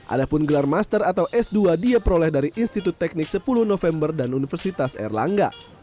adapun gelar master atau s dua dia peroleh dari institut teknik sepuluh november dan universitas erlangga